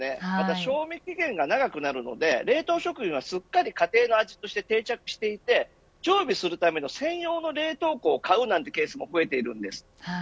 賞味期限が長くなるので冷凍食品はすっかり家庭の味として定着していて常備するための専用の冷凍庫を買うケースも増えているんです。